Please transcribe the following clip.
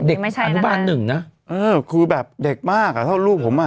เด็กไม่ใช่อนุบาลหนึ่งนะเออคือแบบเด็กมากอ่ะเท่าลูกผมอ่ะ